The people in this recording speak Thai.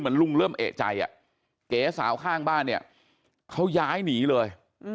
ลุงเริ่มเอกใจเก๋สาวข้างบ้านเนี่ยเขาย้ายหนีเลย